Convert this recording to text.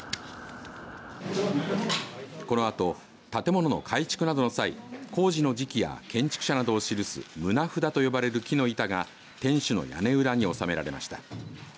このあと建物の改築などの際工事の時期や建築者などを記す棟札と呼ばれる木の板が天守の屋根裏におさめられました。